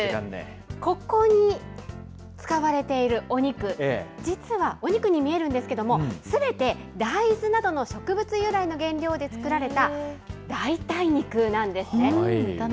ここに使われているお肉、実はお肉に見えるんですけれども、すべて大豆などの植物由来の原料で作られた代替肉なんですね。